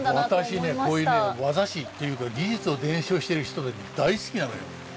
私ねこういうね業師っていうか技術を伝承してる人大好きなのよ。